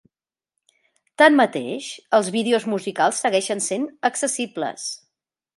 Tanmateix, els vídeos musicals segueixen sent accessibles.